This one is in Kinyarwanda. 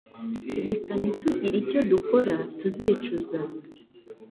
Reka ntitugire icyo dukora tuzicuza